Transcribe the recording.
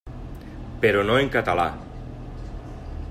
Però no en català.